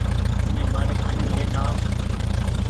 اوني ٻآري ڪآڏين لين آئي